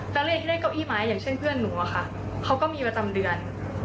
แรกที่ได้เก้าอี้ไม้อย่างเช่นเพื่อนหนูอะค่ะเขาก็มีประจำเดือน